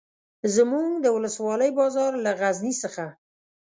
زموږ د ولسوالۍ بازار له غزني څخه.